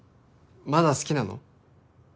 まだ好きなの？